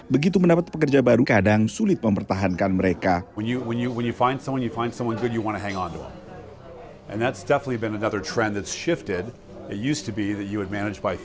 begitu mendapat pekerja baru kadang sulit mempertahankan mereka